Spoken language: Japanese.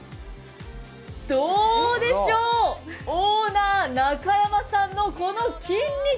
どうでしょう、オーナー、中山さんのこの筋肉。